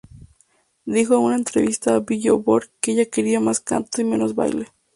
Dijo en una entrevista a "Billboard" que ella quería más canto y menos baile.